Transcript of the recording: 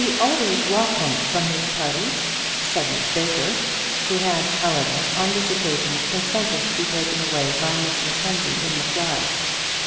"We always walk home from these parties," said Miss Baker, who had, however, on this occasion, consented to be taken away by Miss Mackenzie in the fly.